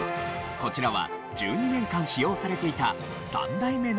こちらは１２年間使用されていた３代目のオープニング。